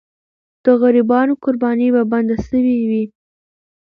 د غریبانو قرباني به بنده سوې وي.